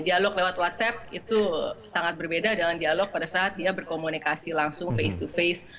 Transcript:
dialog lewat whatsapp itu sangat berbeda dalam dialog pada saat dia berkomunikasi langsung face to face